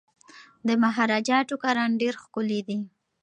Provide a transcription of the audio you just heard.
د مهاراجا ټوکران ډیر ښکلي دي.